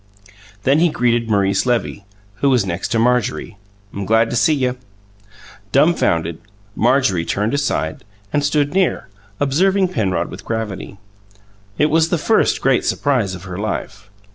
Then he greeted Maurice Levy, who was next to Marjorie: "'M glad to see y'!" Dumfounded, Marjorie turned aside, and stood near, observing Penrod with gravity. It was the first great surprise of her life.